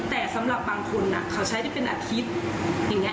แต่สำหรับบางคนเขาใช้ได้เป็นอาทิตย์อย่างนี้